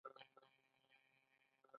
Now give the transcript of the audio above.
دې غلو نه به نو څنګه خلک په آرام شي.